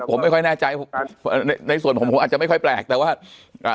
ผมไม่ค่อยแน่ใจในส่วนผมผมอาจจะไม่ค่อยแปลกแต่ว่าอ่า